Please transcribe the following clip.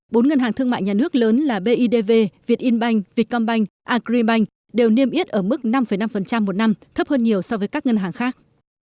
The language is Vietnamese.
bốn ngân hàng thương mại nhà nước lớn là bidv vietinbank vietcombank agribank đều niêm yết ở mức năm năm một năm thấp hơn nhiều so với các ngân hàng khác